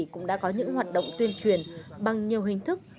cũng đã có những hoạt động tuyên truyền bằng nhiều hình thức